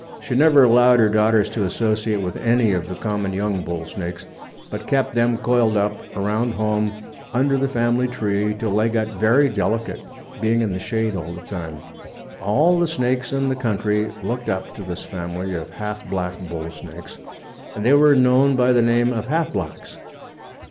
She never allowed her daughters to associate with any of the common young bull snakes, but kept them coiled up around home under the family tree till they got very delicate, being in the shade all the time. All the snakes in the country looked up to this family of half black bull snakes and they were known by the name of Half Blacks.